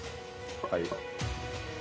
はい。